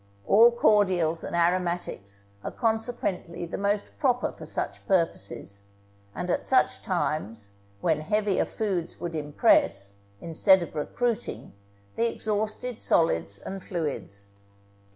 All cordials and aromatics are consequently the most proper for such purposes, and at such times, when heavier foods would impress, instead of recruiting, the exhausted solids and fluids.